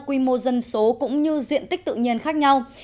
quy mô dân số cũng như diện tích tự nhiên khác nhau